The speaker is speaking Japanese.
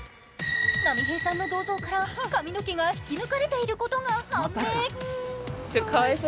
波平さんの銅像から髪の毛が引き抜かれていることが判明。